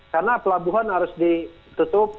karena pelabuhan harus ditutup